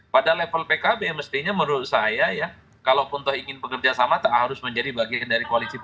pada level pkb mestinya menurut saya ya kalau pun ingin bekerja sama tak harus menjadi bagian dari koalisi pemerintah